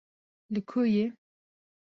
li ku yî